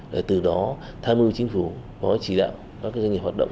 để từ đó tham mưu chính phủ có chỉ đạo các doanh nghiệp hoạt động